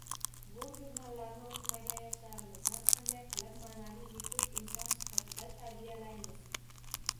Bu jurnallarni oʻqimagan yoshlarimizni qanday qilib maʼnaviy yetuk inson sifatida tarbiyalaymiz?